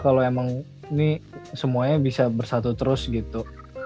kalau emang ini semuanya bisa bersatu terus gitu